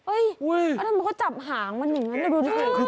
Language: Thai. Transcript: อันด้านมันก็จับหางมันอย่างเนี้ย